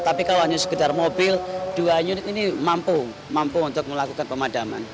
tapi kalau hanya sekedar mobil dua unit ini mampu mampu untuk melakukan pemadaman